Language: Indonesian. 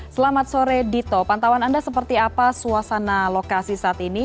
selamat sore dito pantauan anda seperti apa suasana lokasi saat ini